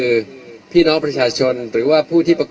ขอฟันทงแล้วกันนะครับคนร้ายรายนี้ต้องเคยมาที่ร้านที่เกิดเหตุ